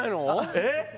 えっ？